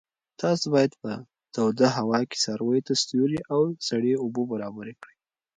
تاسو باید په توده هوا کې څارویو ته سیوری او سړې اوبه برابرې کړئ.